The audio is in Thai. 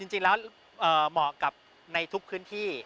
เหมาะกับในทุกพื้นที่